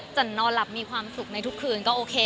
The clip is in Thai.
นอนหลับมีความสุขในทุกคืนก็โอเค